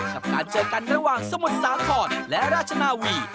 กับการเจอกันระหว่างสมุทรสาครและราชนาวี